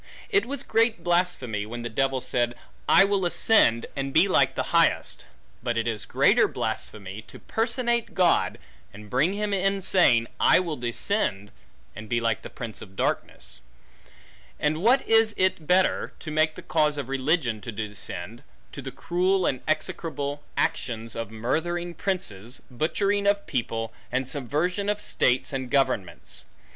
It was great blasphemy, when the devil said, I will ascend, and be like the highest; but it is greater blasphemy, to personate God, and bring him in saying, I will descend, and be like the prince of darkness; and what is it better, to make the cause of religion to descend, to the cruel and execrable actions of murthering princes, butchery of people, and subversion of states and governments?